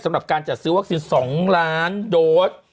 สำหรับการจัดซื้อวัคซีน๒ล้านโดส